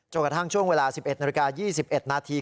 จนกระทั่งช่วงเวลา๑๑นาที